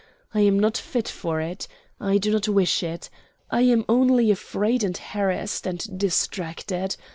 I am not fit for it. I do not wish it. I am only afraid and harassed and distracted.